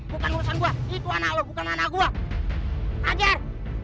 bukan bukan anak gue agar